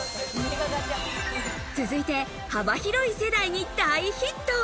続いて幅広い世代に大ヒット！